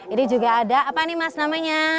ini juga ada apa nih mas namanya